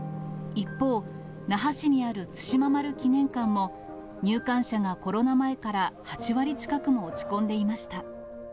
一方、那覇市にある対馬丸記念館も、入館者がコロナ前から８割近くも落ち込んでいました。